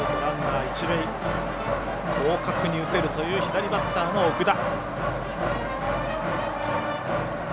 広角に打てるという左バッターの奥田。